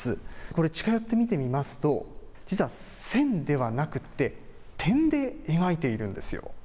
これ、近寄って見てみますと、実は線ではなくて点で描いているんですよ。